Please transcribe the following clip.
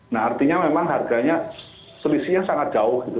nah artinya memang harganya selisihnya sangat jauh gitu